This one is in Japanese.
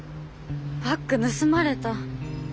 バッグ盗まれた。